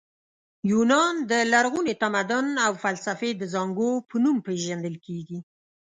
یونان د لرغوني تمدن او فلسفې د زانګو په نوم پېژندل کیږي.